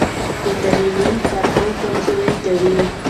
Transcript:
بې تعلیمه فرهنګ کمزوری وي.